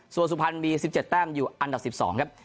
ส่วนสุพรรณมี๑๗แต้มอยู่อันดับ๑๒ครับ